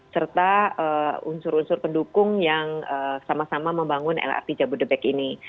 serta unsur unsur pendukung yang sama sama membangun lrt jabodebek ini